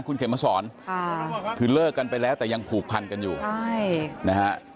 คุณเข็มมาสอนค่ะคือเลิกกันไปแล้วแต่ยังผูกพันกันอยู่ใช่นะฮะ